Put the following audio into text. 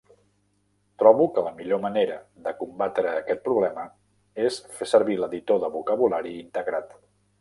Trobo que la millor manera de combatre aquest problema és fer servir l'Editor de vocabulari integrat.